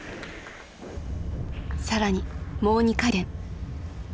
更にもう２回転。